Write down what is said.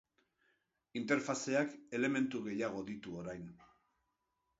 Interfazeak elementu gehiago ditu orain.